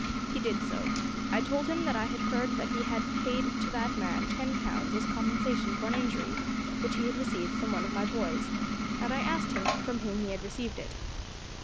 He did so. I told him that I had heard that he had paid to that man ten pounds as compensation for an injury which he had received from one of my boys, and I asked him from whom he had received it.